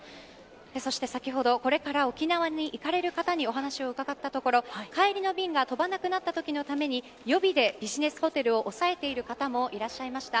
そして、先ほどこれから沖縄に行かれる方にお話を伺ったところ帰りの便が飛ばなくなったときのために、予備でビジネスホテルを押さえている方もいらっしゃいました。